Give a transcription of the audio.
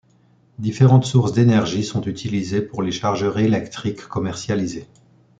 Différentes sources d'énergie sont utilisées pour les chargeurs électriques commercialisés.